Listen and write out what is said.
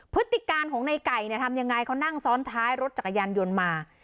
พฤติการของในไก่เนี่ยทำยังไงเขานั่งซ้อนท้ายรถจักรยานยนต์มา